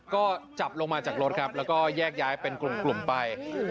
ก็จับลงมาจากรถครับแล้วก็แยกย้ายเป็นกลุ่มไป